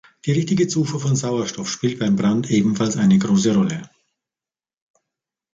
Die richtige Zufuhr von Sauerstoff spielt beim Brand ebenfalls eine große Rolle.